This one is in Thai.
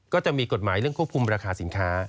ก็จะมีกฎหมายเรื่องควบคุมราคาสินค้า